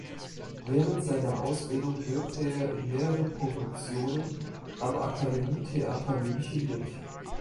Während seiner Ausbildung wirkte er in mehreren Produktionen am Akademietheater München mit.